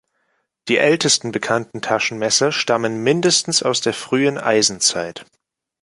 Die ältesten bekannten Taschenmesser stammen mindestens aus der frühen Eisenzeit.